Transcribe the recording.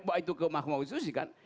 di mahkamah konstitusi kan